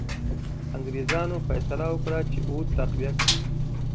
انګرېزانو فیصله وکړه چې اود تقویه کړي.